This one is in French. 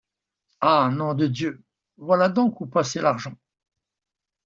Ah! nom de Dieu ! voilà donc où passait l’argent !